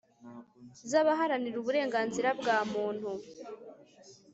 zabaharanira uburenganzira bwa muntu